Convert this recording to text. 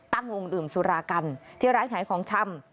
ตั้งวงดื่มสุรากันที่ร้านขายของชำ